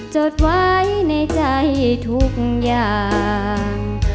จดไว้ในใจทุกอย่าง